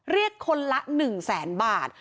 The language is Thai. เรียกคนละ๑แสนบาท